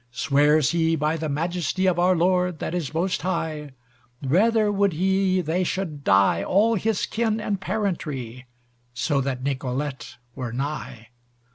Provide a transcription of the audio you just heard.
Swears he by the Majesty Of our Lord that is most high, Rather would he they should die All his kin and parentry, So that Nicolete were nigh.